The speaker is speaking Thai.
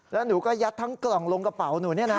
แล้วหนูก็ยัดทั้งกล่องลงกระเป๋าหนูนี่นะ